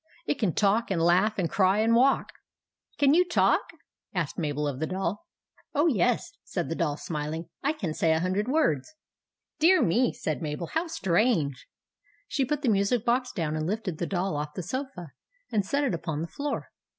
It can talk and laugh and cry and walk." " Can you talk? " asked Mabel of the Doll " Oh, yes," said the Doll, smiling. " I can say a hundred words." " Dear me I " said Mabel. " How strange !" She put the music box down, and lifted the Doll off the sofa, and set it upon the floor.